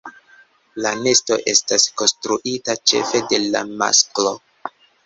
La nesto estas konstruita ĉefe de la masklo.